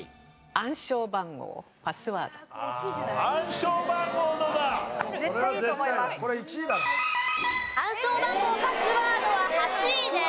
暗証番号・パスワードは８位です。